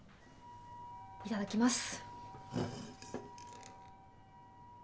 いただきます。